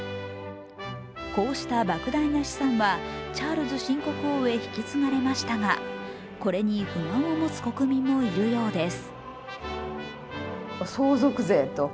こうしたばく大な資産はチャールズ新国王へ引き継がれましたが、これに不満を持つ国民もいるようです。